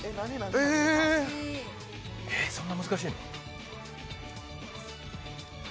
えっそんな難しいの？